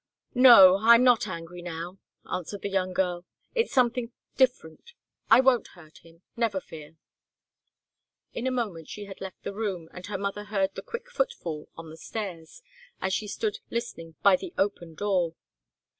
"No I'm not angry now," answered the young girl. "It's something different I won't hurt him never fear!" In a moment she had left the room, and her mother heard the quick footfall on the stairs, as she stood listening by the open door.